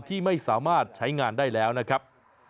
ที่ไม่สามารถใช้งานได้แล้วนะครับ